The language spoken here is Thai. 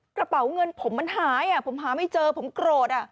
กระเป๋าเงินผมมันหายผมหาไม่เจอผมโกรธ